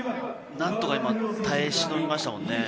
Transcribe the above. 何とか今、耐え忍びましたもんね。